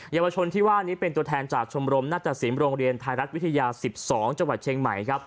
เยาวชนที่ว่านี้เป็นตัวแทนจากชมรมนาตสินโรงเรียนไทยรัฐวิทยา๑๒จังหวัดเชียงใหม่ครับ